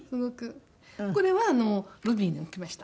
これはロビーに置きました。